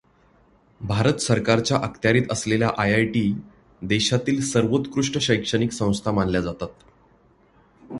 भारत सरकारच्या अखत्यारीत असलेल्या आय. आय. टी. देशातील सर्वोत्कृष्ट शैक्षणिक संस्था मानल्या जातात.